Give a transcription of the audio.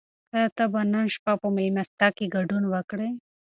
آیا ته به نن شپه په مېلمستیا کې ګډون وکړې؟